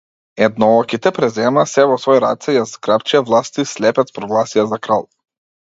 Еднооките преземаа сѐ во свои раце, ја зграпчија власта и слепец прогласија за крал.